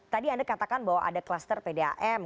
tadi anda katakan bahwa ada kluster pdam